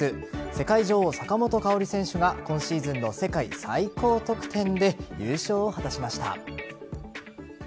世界女王・坂本花織選手が今シーズンの世界最高得点で優勝を果たしました。